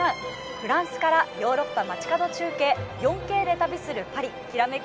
フランスから「ヨーロッパ街角中継４Ｋで旅するパリきらめく